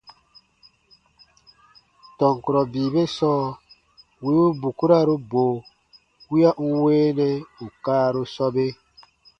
Tɔn kurɔ bii be sɔɔ wì u bukuraru bo wiya n weenɛ ù kaaru sɔbe.